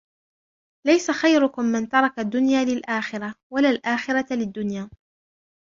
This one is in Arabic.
لَيْسَ خَيْرُكُمْ مَنْ تَرَكَ الدُّنْيَا لِلْآخِرَةِ وَلَا الْآخِرَةَ لِلدُّنْيَا